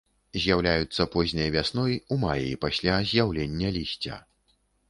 З'яўляюцца позняй вясной, у маі, пасля з'яўлення лісця.